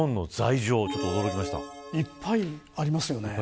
いっぱいありますよね。